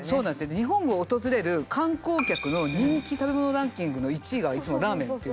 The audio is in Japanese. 日本を訪れる観光客の人気食べ物ランキングの１位がいつもラーメンっていう。